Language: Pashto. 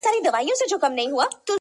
مور او ورور پلان جوړوي او خبري کوي,